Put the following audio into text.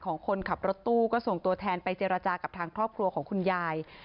คนขับรถตู้ก็ส่งตัวแทนไปเจรจากับทางครอบครัวของคุณยาย